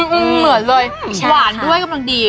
เหมือนเลยหวานด้วยกำลังดี